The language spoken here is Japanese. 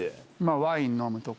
ワイン飲むとか。